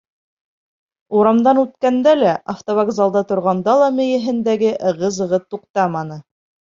Урамдан үткәндә лә, автовокзалда торғанда ла мейеһендәге ығы-зығы туҡтаманы.